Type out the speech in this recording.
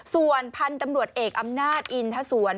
ส่วนพันธุ์ตำรวจเอกอำนาจอินทสวน